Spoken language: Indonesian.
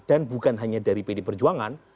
bukan hanya dari pd perjuangan